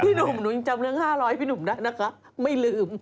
หนุ่มหนูยังจำเรื่อง๕๐๐พี่หนุ่มได้นะคะไม่ลืม